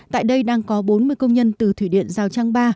tại đây đang có bốn mươi công nhân từ thủy điện giao trang ba